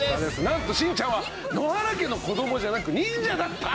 なんとしんちゃんは野原家の子供じゃなくニンジャだった！？